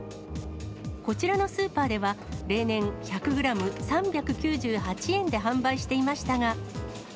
こちらのスーパーでは、例年、１００グラム３９８円で販売していましたが。